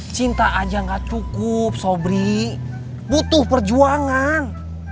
cinta aja gak cukup sobri butuh perjuangan